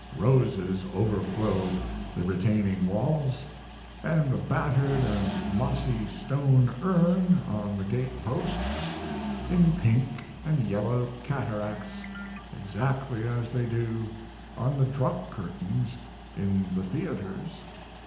Roses overflow the retaining walls, & the battered & mossy stone urn on the gate posts, in pink & yellow cataracts exactly as they do on the drop curtains in the theaters.